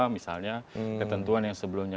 misalnya ketentuan yang sebelumnya